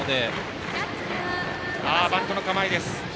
バントの構えです。